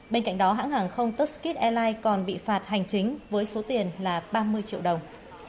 bên cạnh đó hãng hàng không tustkiet airlines còn bị phạt hành chính với số tiền là ba mươi triệu đồng